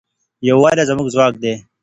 یووالی زموږ ځواک دی.